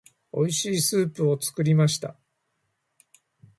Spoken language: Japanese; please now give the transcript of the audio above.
美味しいスープを作りました。